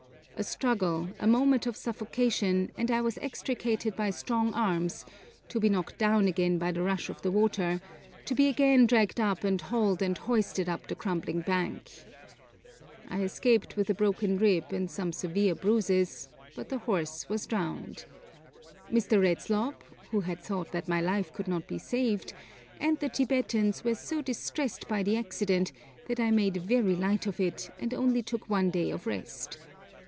A struggle, a moment of suffocation, and I was extricated by strong arms, to be knocked down again by the rush of the water, to be again dragged up and hauled and hoisted up the crumbling bank. I escaped with a broken rib and some severe bruises, but the horse was drowned. Mr. Redslob, who had thought that my life could not be saved, and the Tibetans were so distressed by the accident that I made very light of it, and only took one day of rest.